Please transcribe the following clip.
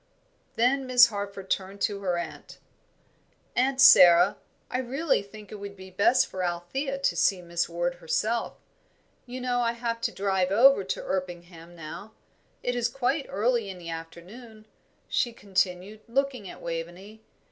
Then Miss Harford turned to her aunt. "Aunt Sara, I really think it would be best for Althea to see Miss Ward herself. You know I have to drive over to Erpingham now. It is quite early in the afternoon," she continued, looking at Waveney.